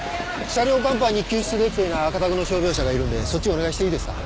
車両甲板に救出できていない赤タグの傷病者がいるんでそっちお願いしていいですか？